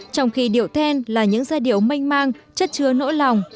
trong khi điệu thên là những giai điệu manh mang chất chứa nỗi lòng